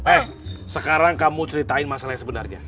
eh sekarang kamu ceritain masalah yang sebenarnya